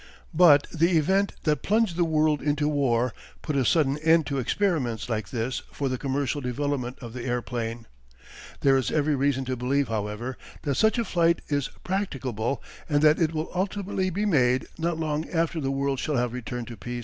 But the event that plunged the world into war put a sudden end to experiments like this for the commercial development of the airplane. There is every reason to believe, however, that such a flight is practicable and that it will ultimately be made not long after the world shall have returned to peace and sanity.